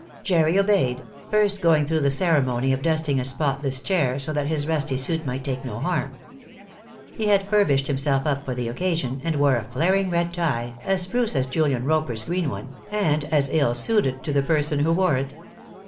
Jerry obeyed, first going through the ceremony of dusting a spotless chair so that his rusty suit might take no harm. He had furbished himself up for the occasion, and wore a flaring red tie as spruce as Julian Roper's green one, and as ill suited to the person who wore it.